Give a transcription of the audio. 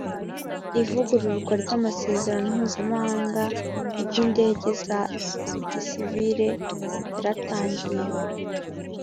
ivugururwa ry amasezerano mpuzamahanga mu by indege za gisivili rayatangiye .